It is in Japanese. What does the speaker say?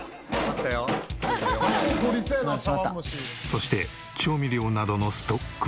そして調味料などのストックは。